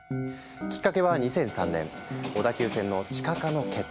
きっかけは２００３年小田急線の地下化の決定。